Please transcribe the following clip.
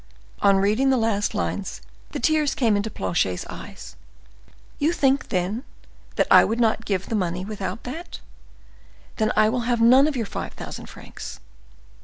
On reading the last lines the tears came into Planchet's eyes. "You think, then, that I would not have given the money without that? Then I will have none of your five thousand francs."